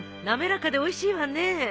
滑らかでおいしいわね。